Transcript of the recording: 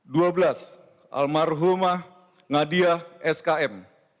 dua belas almarhumah ngadiah skm